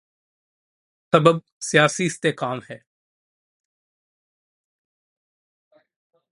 اس کا سبب سیاسی استحکام ہے۔